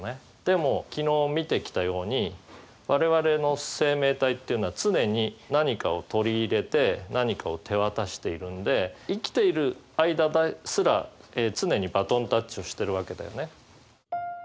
でも昨日見てきたように我々の生命体っていうのは常に何かを取り入れて何かを手渡しているので生きている間ですら常にバトンタッチをしてるわけだよね。